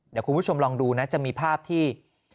เดี๋ยวคุณผู้ชมลองดูนะจะมีภาพที่